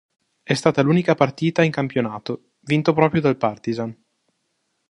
È stata l'unica partita in campionato, vinto proprio dal Partizan.